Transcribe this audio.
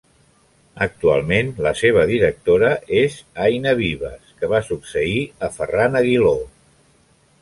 Actualment, la seva directora és Aina Vives que va succeir a Ferran Aguiló.